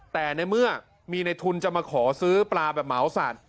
แต่ในเมื่อมีในทุนจะมาขอซื้อปลาแบบเหมาสัตว์